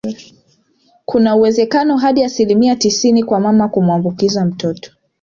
Kuna uwezekano hadi asilimia tisini kwa mama kumuambukiza mtoto